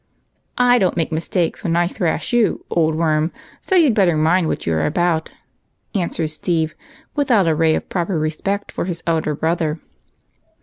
"I don't make mistakes when I thrash you, old Worm, so you 'd better mind what you are about," an swered Steve, without a ray of j)roper respect for his elder brother.